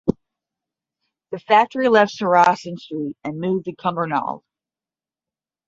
The factory left Saracen Street and moved to Cumbernauld.